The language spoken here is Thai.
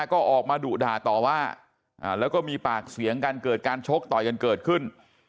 ก็ออกมาดุด่าต่อว่าแล้วก็มีปากเสียงกันเกิดการชกต่อยกันเกิดขึ้น